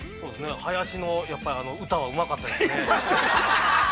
◆林の、歌はうまかったですね。